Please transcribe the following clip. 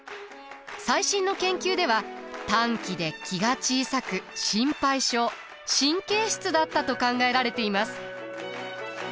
最新の研究では短気で気が小さく心配性神経質だったと考えられています。